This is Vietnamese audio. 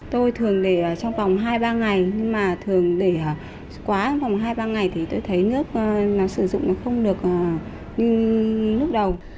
tôi thường để trong vòng hai ba ngày nhưng mà thường để quá trong vòng hai ba ngày thì tôi thấy nước sử dụng không được như lúc đầu